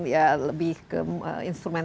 ya lebih ke instrument